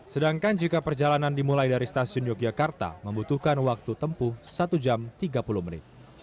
sedangkan jika perjalanan dimulai dari stasiun yogyakarta membutuhkan waktu tempuh satu jam tiga puluh menit